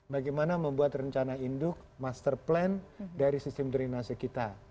bagaimana membuat rencana induk master plan dari sistem drenase kita